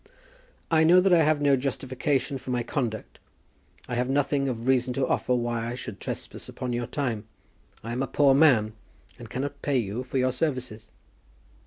"I know that I have no justification for my conduct. I have nothing of reason to offer why I should trespass upon your time. I am a poor man, and cannot pay you for your services."